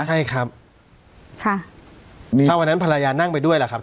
ใช่ครับค่ะนี่ถ้าวันนั้นภรรยานั่งไปด้วยล่ะครับ